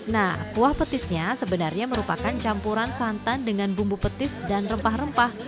nah kuah petisnya sebenarnya merupakan campuran santan dengan bumbu petis dan rempah rempah